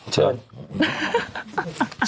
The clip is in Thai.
เชิญ